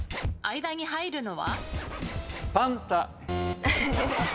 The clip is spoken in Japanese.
間に入るのは？